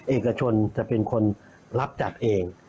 เอกชนจะเป็นคนรับจัดเอง